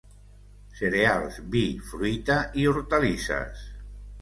Cereals, vi, fruita i hortalisses.